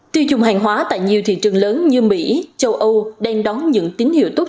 tiêu dùng hàng hóa tại nhiều thị trường lớn như mỹ châu âu đang đón những tín hiệu tốt